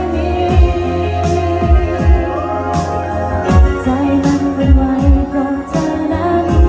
แต่รู้ว่าฉันควรทรักไหมไหม